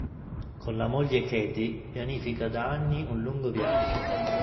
Con la moglie Katie pianifica da anni un lungo viaggio.